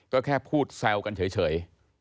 ก็แค่พูดแซวกันเฉย